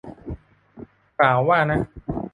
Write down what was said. เปล่าว่านะ